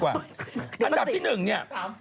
อันดับที่หนึ่งเนี่ย